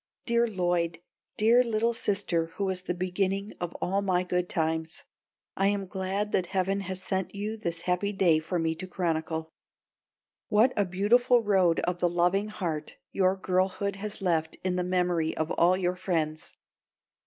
Dear Lloyd, dear little sister who was the beginning of all my good times, I am glad that heaven has sent you this happy day for me to chronicle! What a beautiful Road of the Loving Heart your girlhood has left in the memory of all your friends!